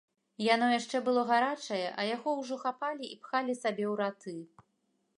Яно яшчэ было гарачае, а яго ўжо хапалі і пхалі сабе ў раты.